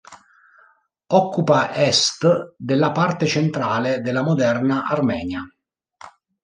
Occupa est della parte centrale della moderna Armenia.